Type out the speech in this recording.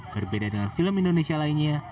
berbeda dengan film indonesia lainnya